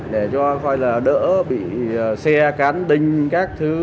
để cho coi là đỡ bị xe cán đinh các thứ